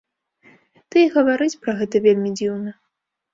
Ды і гаварыць пра гэта вельмі дзіўна.